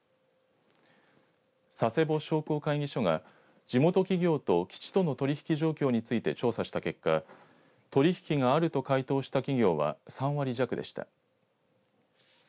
佐世保商工会議所が地元企業と基地との取り引き状況について調査した結果取り引きがあると回答した企業は３割弱でした。